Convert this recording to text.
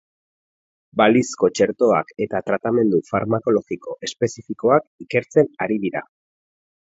Balizko txertoak eta tratamendu farmakologiko espezifikoak ikertzen ari dira.